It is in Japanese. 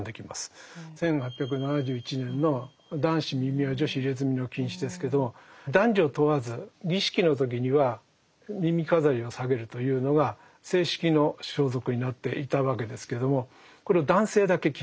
１８７１年の「男子耳輪・女子入墨の禁止」ですけど男女を問わず儀式の時には耳飾りをさげるというのが正式の装束になっていたわけですけれどもこれを何で男性だけ？